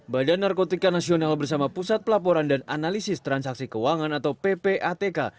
badan narkotika nasional bersama pusat pelaporan dan analisis transaksi keuangan atau ppatk